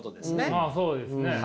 まあそうですね。